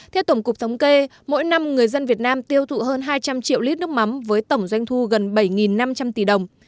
theo tổng cục thống kê mỗi năm người dân việt nam tiêu thụ hơn hai trăm linh triệu lít nước mắm với tổng doanh thu gần bảy năm trăm linh tỷ đồng